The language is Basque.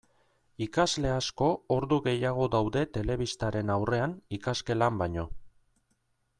Ikasle asko ordu gehiago daude telebistaren aurrean ikasgelan baino.